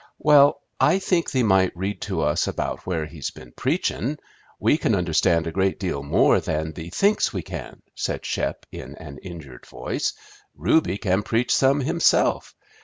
"Well, I think thee might read to us about where he's been preachin'. We can understand a great deal more than thee thinks we can," said Shep in an injured voice. "Reuby can preach some himself.